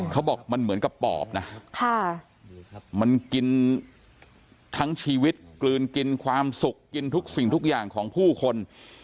เขาบอกมันเหมือนกับปอบนะมันกินทั้งชีวิตกลืนกินความสุขกินทุกสิ่งทุกอย่างของผู้คน